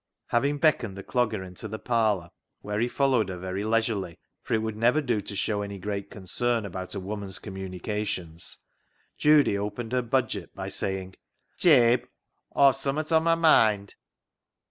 Having beckoned the Clogger into the parlour, where he followed her very leisurely, for it would never do to show any great concern about a woman's communica tions, Judy opened her budget by saying —" Jabe, Aw've summat on my moind."